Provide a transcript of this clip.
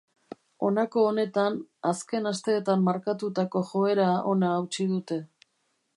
Honako honetan, azken asteetan markatutako joera ona hautsi dute.